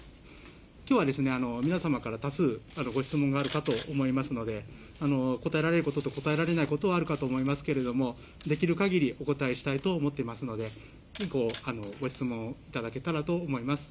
きょうは、皆様から多数ご質問があるかと思いますので、答えられることと答えられないことはあるかと思いますけれども、できるかぎりお答えしたいと思っていますので、ご質問いただけたらと思います。